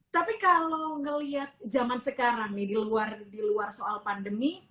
tapi kalau ngelihat zaman sekarang nih di luar soal pandemi